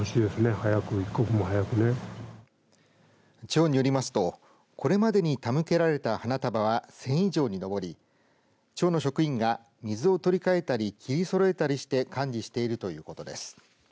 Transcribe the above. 町によりますとこれまでに手向けられた花束は１０００以上に上り町の職員が水を取り替えたり切りそろえたりして管理しているということです。